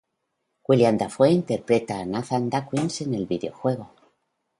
Willem Dafoe interpreta a Nathan Dawkins en el videojuego.